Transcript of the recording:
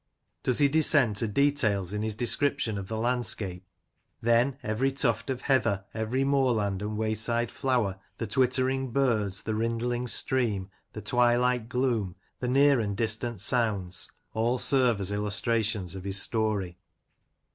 Does he descend to details in his description of the landscape ? Then every tuft of heather, every moorland and way side flower, the twittering birds, the rindling stream, the twilight gloom, the near and distant sounds — all serve as illustrations of his story.